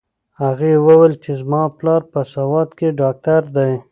هغې وویل چې زما پلار په سوات کې ډاکټر دی.